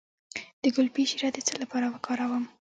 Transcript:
د ګلپي شیره د څه لپاره وکاروم؟